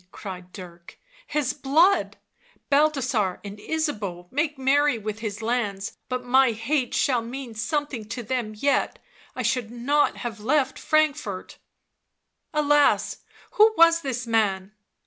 cried Dirk, " his blood ! Balthasar and Ysabeau make merry with his lands, but my hate shall mean something to them yet — I should not have left Frankfort." " Alas ! who was this man